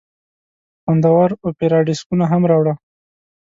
خوندور اوپيراډیسکونه هم راوړه.